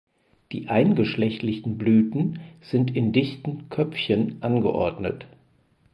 Die eingeschlechtlichen Blüten sind in dichten „Köpfchen“ angeordnet.